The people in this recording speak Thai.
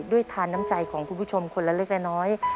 ทานน้ำใจของคุณผู้ชมคนละเล็กละน้อย